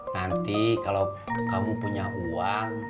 nanti kalau kamu punya uang